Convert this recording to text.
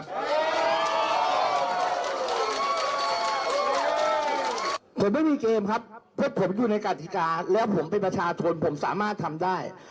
ผมไม่มีเกมครับเพราะผมอยู่ในกฎิกาแล้วผมเป็นประชาชนผมสามารถทำได้